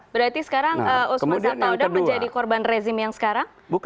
berarti sekarang ustaz masad taudang menjadi korban rezim yang sekarang kemudian yang kedua